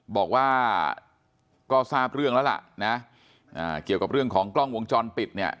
บอกว่าก็ทราบเรื่องแล้วล่ะนะเกี่ยวกับเรื่องของกล้องวงจรปิดเนี่ย